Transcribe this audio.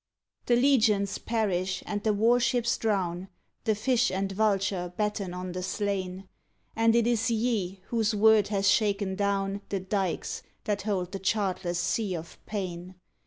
The legions perish and the warships drown ; The fish and vulture batten on the slain ; And it is ye whose word hath shaken down The dykes that hold the chartless sea of pain.